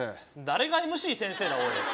誰がＭＣ先生だおい